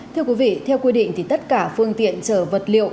thưa quý vị theo quy định thì tất cả phương tiện chở vật liệu